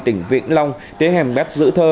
tỉnh vĩnh long tới hẻm bét giữ thơ